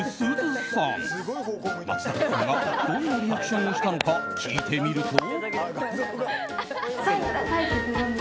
松坂さんがどんなリアクションをしたのか聞いてみると。